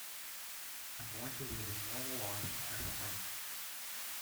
I'm going to live a normal life and have a home.